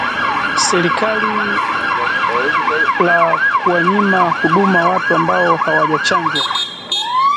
Serikali la kuwanyima huduma watu ambao hawajachanjwa